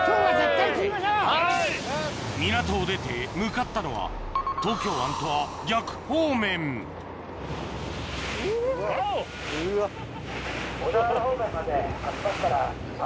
港を出て向かったのは東京湾とは逆方面わお！